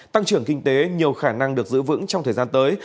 tăng trưởng kinh tế nhiều khả năng được giữ vững trong thời gian tới